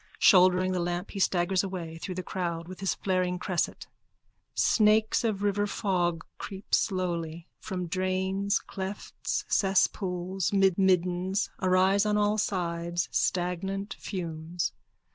Shouldering the lamp he staggers away through the crowd with his flaring cresset._ _Snakes of river fog creep slowly. From drains, clefts, cesspools, middens arise on all sides stagnant fumes.